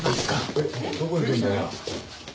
えっどこ行くんだよ？